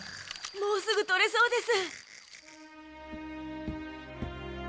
もうすぐ取れそうです！